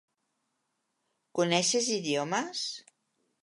Coneixes idiomes?